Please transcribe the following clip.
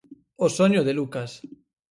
O soño de Lucas.